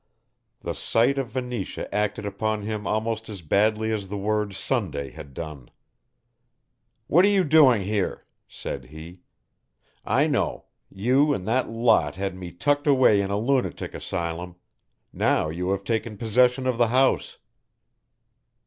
The sight of Venetia acted upon him almost as badly as the word "Sunday" had done. "What are you doing here?" said he. "I know you and that lot had me tucked away in a lunatic asylum; now you have taken possession of the house."